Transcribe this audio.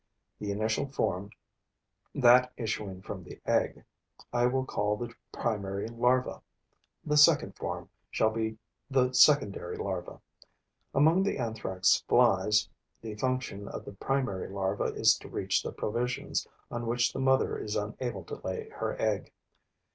The initial form, that issuing from the egg, I will call 'the primary larva;' the second form shall be 'the secondary larva.' Among the Anthrax flies, the function of the primary larva is to reach the provisions, on which the mother is unable to lay her egg.